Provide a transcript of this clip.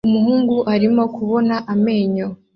Umuhungu arimo kubona amenyo